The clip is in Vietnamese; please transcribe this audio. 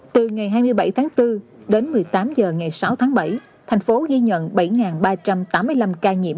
từ ngày hai mươi bảy tháng bốn đến một mươi tám h ngày sáu tháng bảy thành phố ghi nhận bảy ba trăm tám mươi năm ca nhiễm